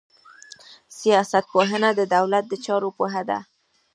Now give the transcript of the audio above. سياست پوهنه د دولت د چارو پوهه ده.